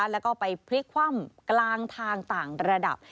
แล้วก็ไปพลิกคว่ำกลางทางต่างระดับ